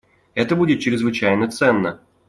Это будет чрезвычайно ценно.